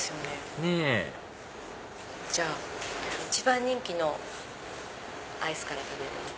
ねぇじゃあ一番人気のアイスから食べよう。